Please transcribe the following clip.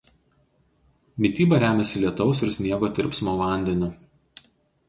Mityba remiasi lietaus ir sniego tirpsmo vandeniu.